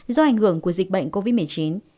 do ảnh hưởng của dịch bệnh covid một mươi chín